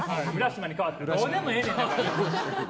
どうでもええねん！